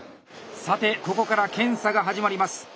さてここから検査が始まります。